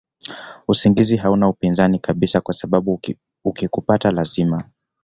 usingizi hauna upinzani kabisa kwasababu ukikupata lazima